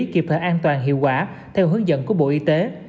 kịp thời an toàn hiệu quả theo hướng dẫn của bộ y tế